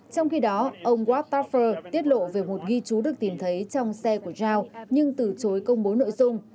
trong khi đó ông stewart tarfer tiết lộ về một ghi chú được tìm thấy trong xe của zhao nhưng từ chối công bố nội dung